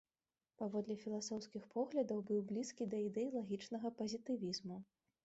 Паводле філасофскіх поглядаў быў блізкі да ідэй лагічнага пазітывізму.